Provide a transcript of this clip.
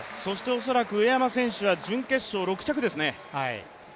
恐らく上山選手は準決勝６着ですね。